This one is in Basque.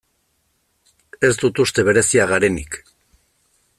Ez dut uste bereziak garenik.